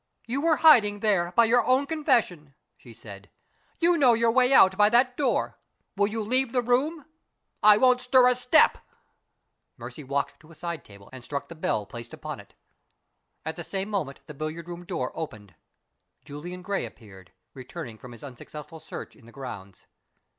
"You were hiding there, by your own confession," she said. "You know your way out by that door. Will you leave the room?" "I won't stir a step!" Mercy walked to a side table, and struck the bell placed on it. At the same moment the billiard room door opened. Julian Gray appeared returning from his unsuccessful search in the grounds.